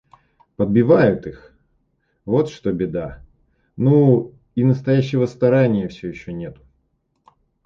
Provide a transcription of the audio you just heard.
Подбивают их, вот что беда; ну, и настоящего старания все еще нету.